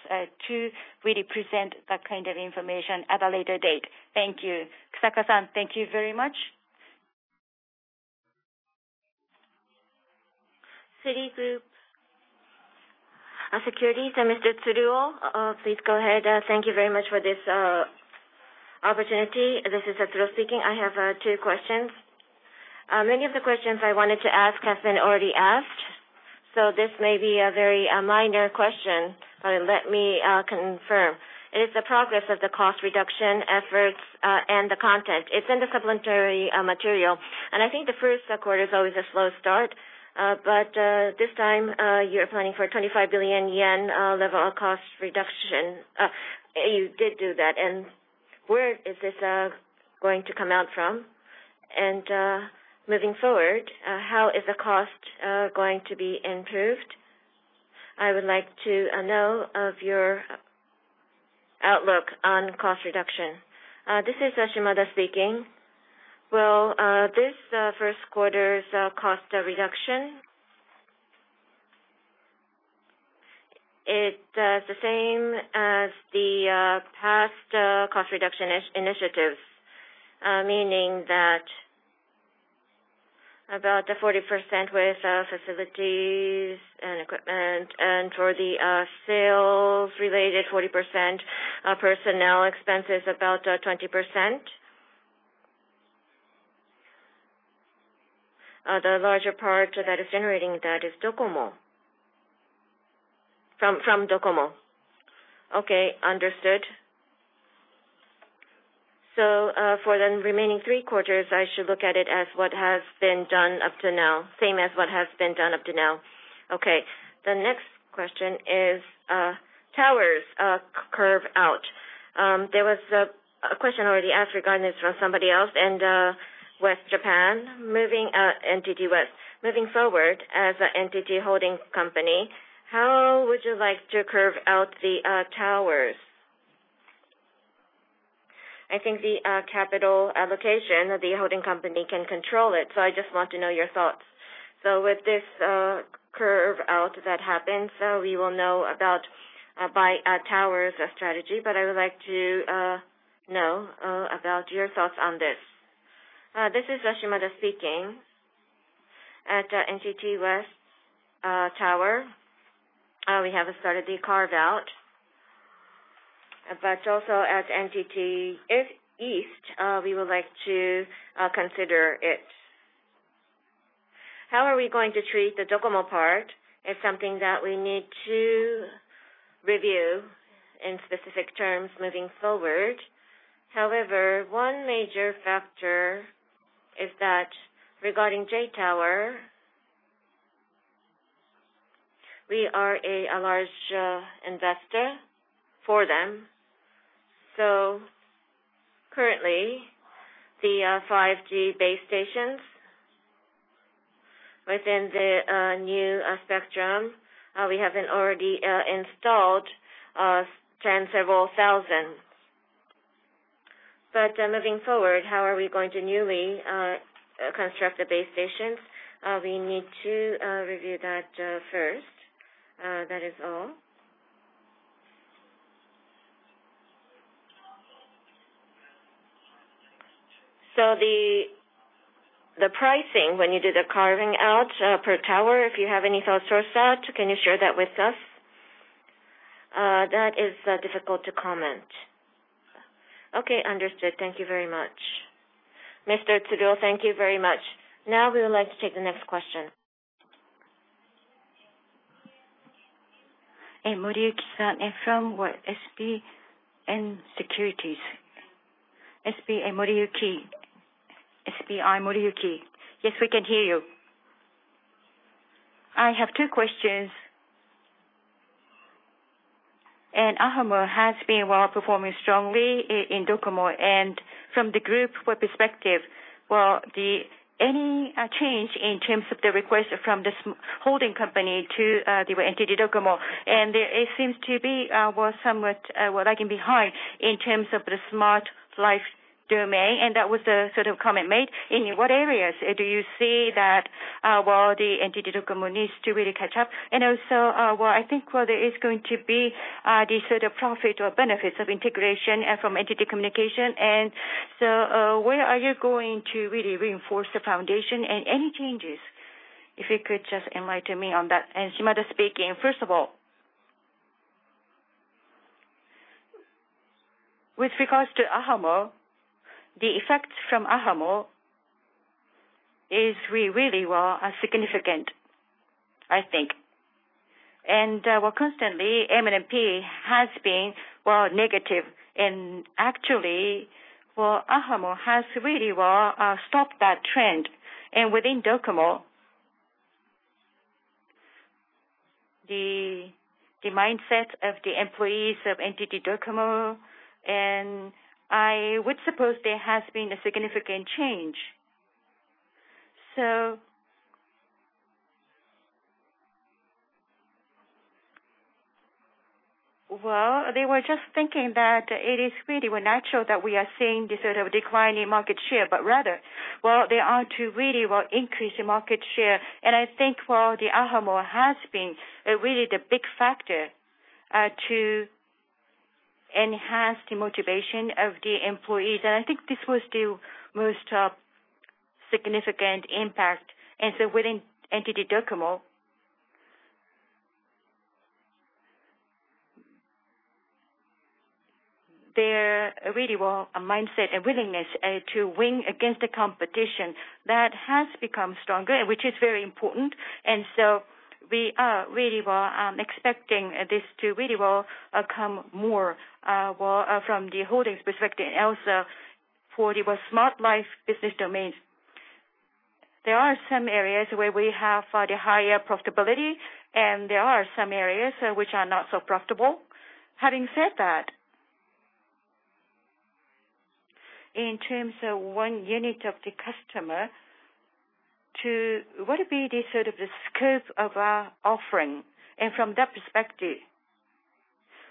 to really present that kind of information at a later date. Thank you. usaka-san, thank you very much. Citigroup Securities, Mr. Tsuruo, please go ahead. Thank you very much for this opportunity. This is Tsuruo speaking. I have two questions. Many of the questions I wanted to ask have been already asked, so this may be a very minor question, but let me confirm. It is the progress of the cost reduction efforts, and the content. It's in the supplementary material. I think the first quarter is always a slow start. This time, you're planning for a 25 billion yen level of cost reduction. You did do that. Where is this going to come out from? Moving forward, how is the cost going to be improved? I would like to know of your outlook on cost reduction. This is Shimada speaking. Well, this first quarter's cost reduction, it does the same as the past cost reduction initiatives. Meaning that about 40% with facilities and equipment, and for the sales-related, 40%, personnel expenses, about 20%. The larger part that is generating that is DOCOMO. From DOCOMO? Okay, understood. For the remaining three quarters, I should look at it as what has been done up to now. Same as what has been done up to now. Okay. The next question is, towers carve-out. There was a question already asked regarding this from somebody else, NTT West. Moving NTT West. Moving forward as an NTT holding company, how would you like to carve out the towers? I think the capital allocation of the holding company can control it, so I just want to know your thoughts. With this carve-out that happened, we will know about by towers strategy, but I would like to know about your thoughts on this. This is Shimada speaking. At NTT West tower, we have started the carve-out. Also at NTT East, we would like to consider it. How are we going to treat the DOCOMO part is something that we need to review in specific terms moving forward. One major factor is that regarding JTOWER, we are a large investor for them. Currently, the 5G base stations within the new spectrum, we haven't already installed 10 several thousand. Moving forward, how are we going to newly construct the base stations? We need to review that first. That is all. The pricing, when you do the carving out per tower, if you have any thoughts on that, can you share that with us? That is difficult to comment. Okay, understood. Thank you very much. Mr. Tsuruo, thank you very much. Now we would like to take the next question. Moriyuki-san from SBI Securities. SBI, Moriyuki. Yes, we can hear you. I have two questions. ahamo has been performing strongly in DOCOMO. From the group perspective, any change in terms of the request from this holding company to NTT DOCOMO, and it seems to be was somewhat lagging behind in terms of the Smart Life domain, and that was the sort of comment made. In what areas do you see that NTT DOCOMO needs to really catch up? Also, I think there is going to be the sort of profit or benefits of integration from NTT Communications. Where are you going to really reinforce the foundation? Any changes, if you could just enlighten me on that? Shimada speaking. First of all, with regards to ahamo, the effect from ahamo is really significant, I think. Constantly, MNP has been negative. Actually, ahamo has really stopped that trend. Within DOCOMO, the mindset of the employees of NTT DOCOMO, and I would suppose there has been a significant change. They were just thinking that it is really natural that we are seeing this decline in market share, but rather, they are to really increase market share. I think the ahamo has been really the big factor to enhance the motivation of the employees. I think this was the most significant impact. Within NTT DOCOMO, their mindset and willingness to win against the competition, that has become stronger, which is very important. We are really expecting this to really come more from the holdings perspective and also for the Smart Life business domain. There are some areas where we have the higher profitability, and there are some areas which are not so profitable. Having said that, in terms of one unit of the customer to what would be the scope of our offering, and from that perspective,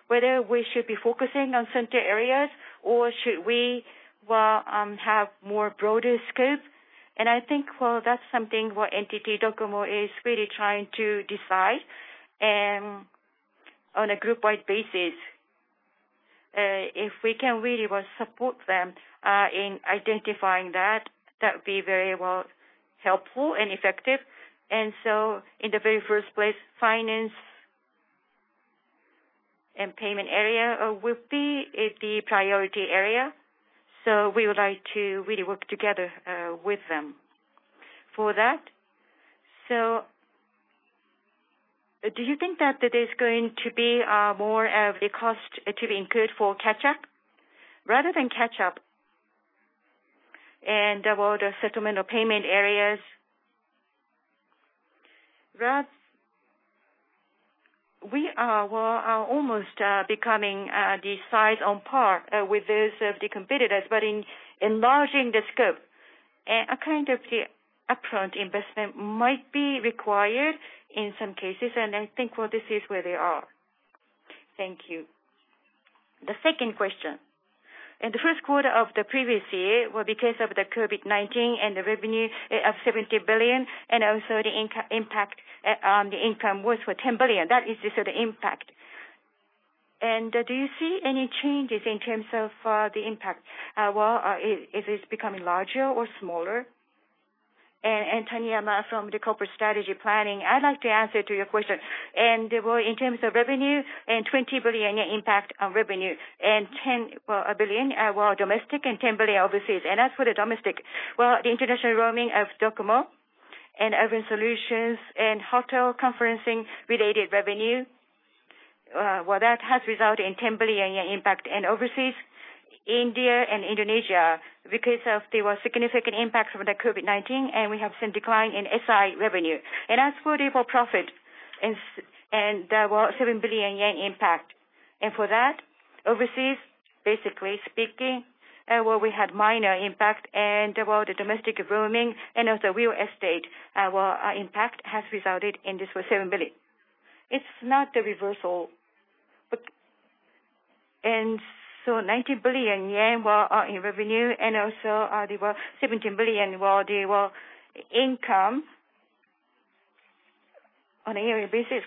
whether we should be focusing on certain areas or should we have more broader scope. I think that's something where NTT DOCOMO is really trying to decide. On a group-wide basis, if we can really support them in identifying that would be very helpful and effective. In the very first place, finance and payment area will be the priority area. We would like to really work together with them for that. Do you think that there's going to be more of the cost to be incurred for catch-up? Rather than catch-up and all the settlement or payment areas, we are almost becoming the size on par with those of the competitors, but in enlarging the scope. A kind of the upfront investment might be required in some cases, and I think this is where they are. Thank you. The second question. In the first quarter of the previous year, because of the COVID-19 and the revenue of 70 billion and also the impact on the income was for 10 billion. That is the impact. Do you see any changes in terms of the impact? Well, is it becoming larger or smaller? Taniyama from the corporate strategy planning, I'd like to answer to your question. In terms of revenue, 20 billion impact on revenue, and 10 billion domestic and 10 billion overseas. As for the domestic, the international roaming of DOCOMO and urban solutions and hotel conferencing related revenue, well, that has resulted in 10 billion impact. Overseas, India and Indonesia, because of the significant impact from the COVID-19, we have seen decline in SI revenue. As for the profit, there were 7 billion yen impact. For that, overseas, basically speaking, we had minor impact and the domestic roaming and also real estate impact has resulted in this for 7 billion. It's not the reversal. 90 billion yen in revenue, also there were 17 billion where there were income on a yearly basis.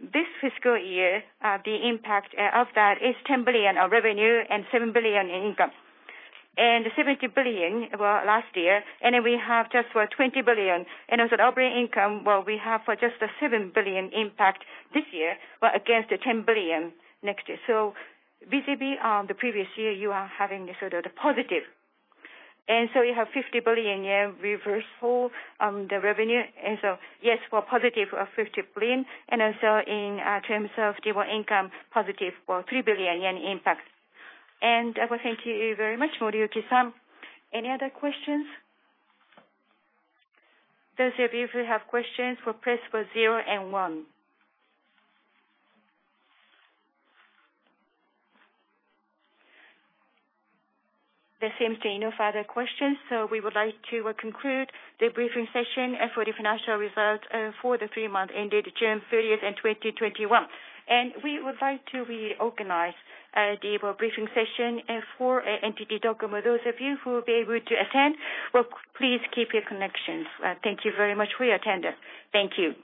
This fiscal year, the impact of that is 10 billion of revenue and 7 billion in income. 70 billion last year, then we have just for 20 billion. As an operating income, we have for just a 7 billion impact this year, but against the 10 billion next year. Vis-à-vis on the previous year, you are having the positive. You have 50 billion yen reversal on the revenue. Yes, for positive 50 billion and also in terms of the income, positive for 3 billion yen impact. Thank you very much, Moriyuki-san. Any other questions? Those of you who have questions, press for zero and one. There seems to be no further questions, we would like to conclude the briefing session for the financial results for the three months ended June 30th in 2021. We would like to reorganize the briefing session for NTT DOCOMO. Those of you who will be able to attend, well, please keep your connections. Thank you very much for your attendance. Thank you.